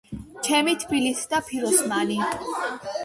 ჩემი თბილისი და ფიროსმანი,